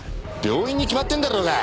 病院に決まってんだろうが！